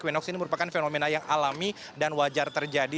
winox ini merupakan fenomena yang alami dan wajar terjadi